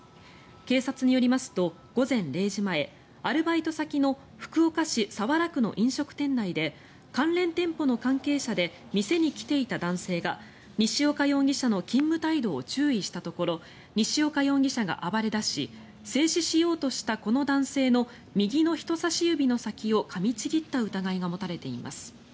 警察によりますと午前０時前、アルバイト先の福岡市早良区の飲食店内で関連店舗の関係者で店に来ていた男性が西岡容疑者の勤務態度を注意したところ西岡容疑者が暴れ出し制止しようとしたこの男性の右の人さし指の先をかみちぎった疑いが持たれています。